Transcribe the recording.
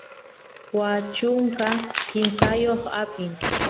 waa chunka kimsayoq apin